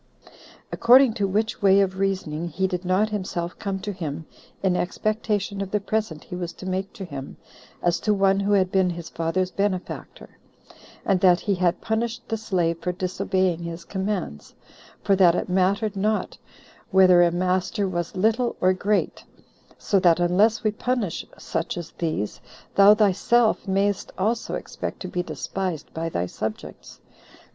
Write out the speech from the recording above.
According to which way of reasoning he did not himself come to him in expectation of the present he was to make to him, as to one who had been his father's benefactor; and that he had punished the slave for disobeying his commands, for that it mattered not Whether a master was little or great: so that unless we punish such as these, thou thyself mayst also expect to be despised by thy subjects."